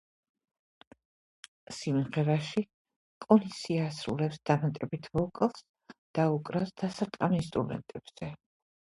სიმღერაში კოლინზი ასრულებს დამატებით ვოკალს და უკრავს დასარტყამ ინსტრუმენტებზე.